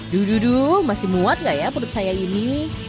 dududu masih muat gak ya perut saya ini